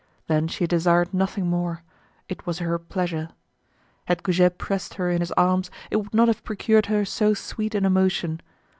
Then she desired nothing more; it was her pleasure. Had Goujet pressed her in his arms it would not have procured her so sweet an emotion.